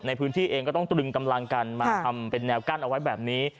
ในพื้นที่เองก็ต้องตรึงกำลังกันมาทำเป็นแนวกั้นเอาไว้แบบนี้